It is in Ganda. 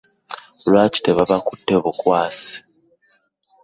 Lwaki tebaabakute bukwasi?